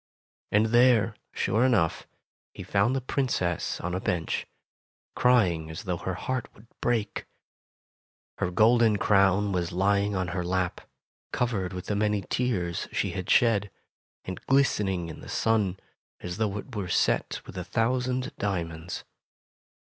And there, sure enough, he found the Princess on a bench, crying as though her heart would break. Her golden crown was lying on her lap, covered with the many tears she had shed, and glistening in the sun, as though it were set with a thousand diamonds.